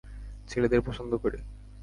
ছেলেদের পছন্দ করি!